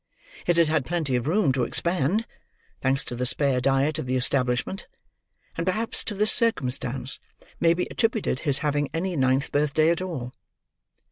It had had plenty of room to expand, thanks to the spare diet of the establishment; and perhaps to this circumstance may be attributed his having any ninth birth day at all.